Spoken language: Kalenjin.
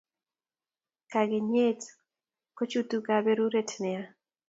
Kakenyet kojuti kaberuret nea